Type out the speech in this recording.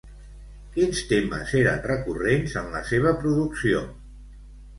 Quins temes eren recurrents en la seva producció?